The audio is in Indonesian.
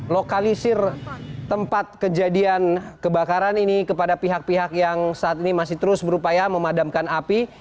lokalisir tempat kejadian kebakaran ini kepada pihak pihak yang saat ini masih terus berupaya memadamkan api